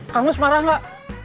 kamu semarang gak